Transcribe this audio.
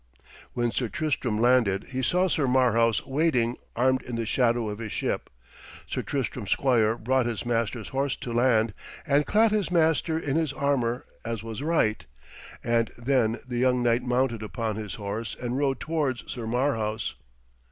When Sir Tristram landed he saw Sir Marhaus waiting armed in the shadow of his ship. Sir Tristram's squire brought his master's horse to land, and clad his master in his armour as was right, and then the young knight mounted upon his horse and rode towards Sir Marhaus.